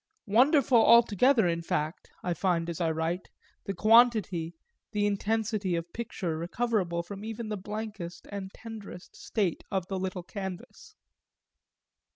Wonderful altogether in fact, I find as I write, the quantity, the intensity of picture recoverable from even the blankest and tenderest state of the little canvas.